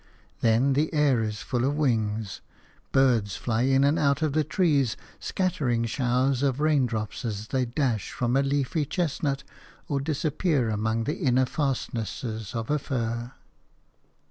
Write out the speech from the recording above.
Then the air is full of wings; birds fly in and out of the trees, scattering showers of raindrops as they dash from a leafy chestnut or disappear among the inner fastnesses of a fir.